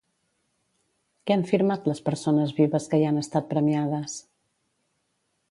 Què han firmat les persones vives que hi han estat premiades?